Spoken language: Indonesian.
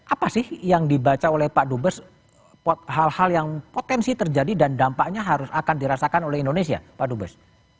apa sih yang dibaca oleh pak dubes hal hal yang potensi terjadi dan dampaknya harus akan dirasakan oleh indonesia pak dubes